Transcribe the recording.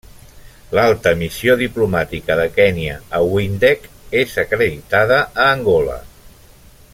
L'alta missió diplomàtica de Kenya a Windhoek és acreditada a Angola.